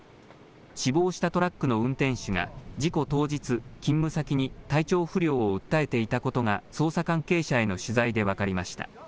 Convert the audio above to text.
死亡したトラックの運転手が事故当日、勤務先に体調不良を訴えていたことが捜査関係者への取材で分かりました。